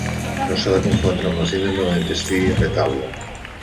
No s'ha de confondre amb la síndrome de l'intestí irritable.